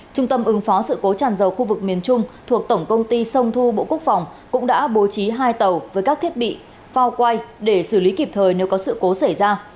trung tâm ứng phó sự cố tràn dầu khu vực miền trung thuộc tổng công ty sông thu bộ quốc phòng cũng đã bố trí hai tàu với các thiết bị phao quay để xử lý kịp thời nếu có sự cố xảy ra